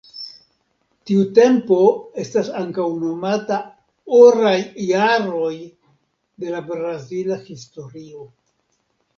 Tiu tempo estas ankaŭ nomata "oraj jaroj" de la brazila historio.